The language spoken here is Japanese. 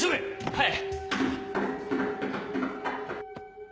はい！